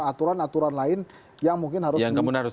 aturan aturan lain yang mungkin harus